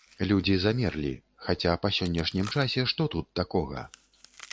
Людзі замерлі, хаця, па сённяшнім часе, што тут такога?